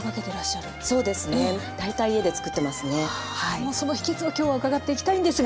もうその秘けつを今日は伺っていきたいんですが。